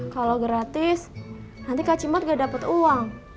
kalau gratis nanti kak cimot nggak dapet uang